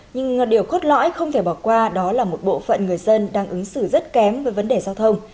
nhưng điều khốt lõi không thể bỏ qua đó là một bộ phận người dân đang ứng xử rất kém với vấn đề giao thông